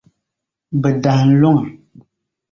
Bɛ dahim luŋa.